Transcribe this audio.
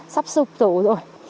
sắp sụp tủ rồi